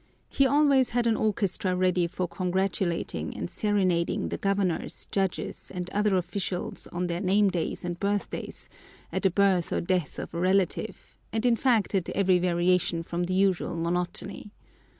He always had an orchestra ready for congratulating and serenading the governors, judges, and other officials on their name days and birthdays, at the birth or death of a relative, and in fact at every variation from the usual monotony.